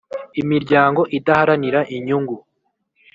Imiryango idaharanira inyungu